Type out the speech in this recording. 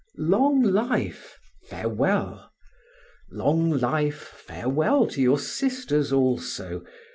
Long life, farewell! Long life, farewell, to your sisters also!